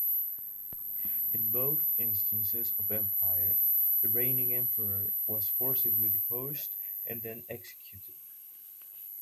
In both instances of Empire, the reigning Emperor was forcibly deposed and then executed.